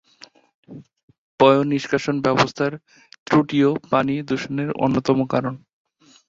পয়ঃনিষ্কাষণ ব্যবস্থার ত্রুটিও পানি দূষণের অন্যতম কারণ।